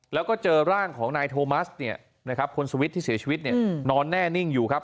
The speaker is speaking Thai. แล้วก็เจอร่างของนายโทมัสคนสวิทธิ์ที่เสียชีวิตนอนแน่นิ่งอยู่ครับ